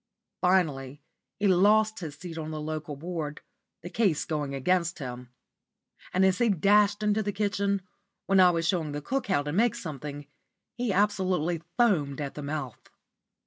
Finally he lost his seat on the Local Board, the case going against him; and as he dashed into the kitchen, where I was showing the cook how to make something, he absolutely foamed at the mouth.